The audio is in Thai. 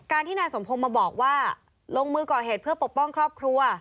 ที่นายสมพงศ์มาบอกว่าลงมือก่อเหตุเพื่อปกป้องครอบครัว